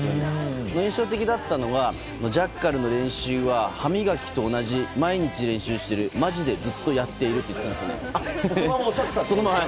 印象的だったのがジャッカルの練習は歯磨きと同じ、毎日練習しているマジでずっとやっていると言っていたんですね。